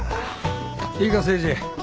いいか誠治。